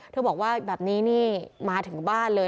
บอกว่าแบบนี้นี่มาถึงบ้านเลย